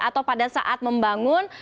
atau pada saat membangun